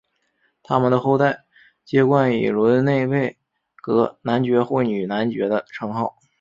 他们的后代皆冠以伦嫩贝格男爵或女男爵的称号。